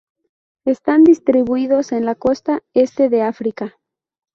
Están distribuidos en la costa este de África.